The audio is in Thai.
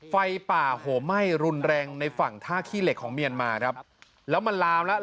ไฟป่าโหไหม้รุนแรงในฝั่งท่าขี้เหล็กของเมียนมาครับแล้วมันลามแล้ว